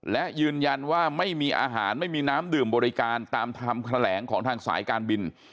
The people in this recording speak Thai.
และยืนยันว่าไม่มีอาหารไม่มีน้ำดื่มบริการตามคำแถลงของทางสายการบิน